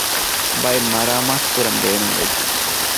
ބައެއް މަރާމާތުކުރަން ބޭނުންވެއްޖެ